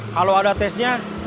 kalau ada tesnya